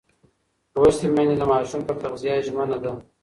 لوستې میندې د ماشوم پر تغذیه ژمنه ده.